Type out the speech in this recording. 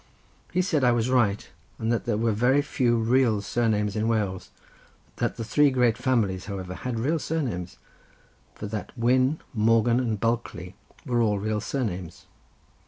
He said I was right, that there were very few real surnames in Wales; that the three great families, however, had real surnames; for that Wynn, Morgan, and Bulkley were all real surnames.